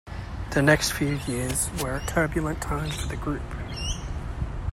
The next few years were a turbulent time for the group.